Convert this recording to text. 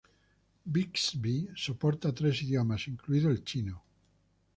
Bixby soporta tres idiomas, incluido el chino.